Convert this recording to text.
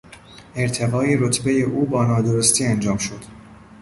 ارتقای رتبهی او با نادرستی انجام شد.